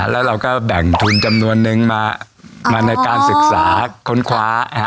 แล้วเราก็แบ่งทุนจำนวนนึงมาในการศึกษาค้นคว้า